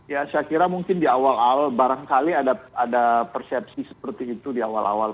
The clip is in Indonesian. ya saya kira mungkin di awal awal barangkali ada persepsi seperti itu di awal awal